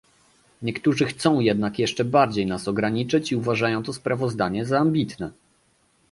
Niektórzy chcą jednak jeszcze bardziej nas ograniczyć i uważają to sprawozdanie za ambitne